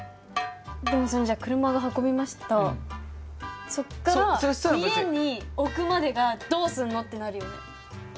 でもそれじゃあ車が運びましたそっから家に置くまでがどうすんの？ってなるよね。